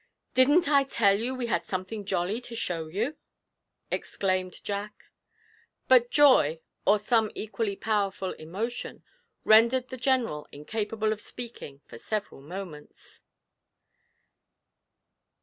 'Didn't I tell you we had something jolly to show you!' exclaimed Jack. But joy, or some equally powerful emotion, rendered the General incapable of speaking for several moments.